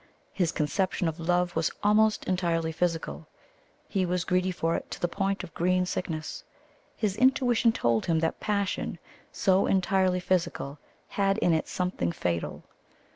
His conception of love was almost entirely physical. He was greedy for it to the point of green sickness. His intuition told him that passion so entirely physical had in it something fatal.